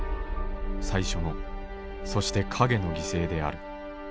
最初のそして蔭の犠牲である。